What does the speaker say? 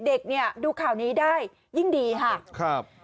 เด็กเนี่ยดูข่าวนี้ได้ยิ่งดีค่ะครับ